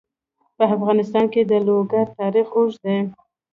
په افغانستان کې د لوگر تاریخ اوږد دی.